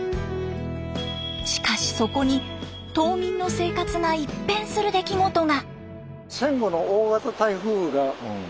しかしそこに島民の生活が一変する出来事が。